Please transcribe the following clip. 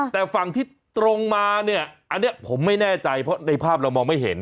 แต่ฝั่งที่ตรงมาเนี่ยอันนี้ผมไม่แน่ใจเพราะในภาพเรามองไม่เห็น